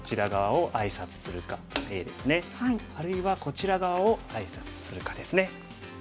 あるいはこちら側をあいさつするかですね。